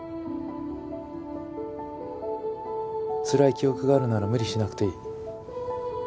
つらい記憶があるなら無理しなくていい。